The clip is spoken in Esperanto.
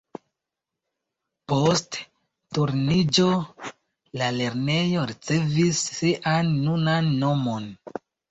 Post Turniĝo la lernejo ricevis sian nunan nomon.